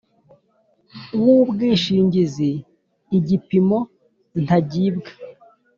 w ubwishingizi igipimo ntagibwa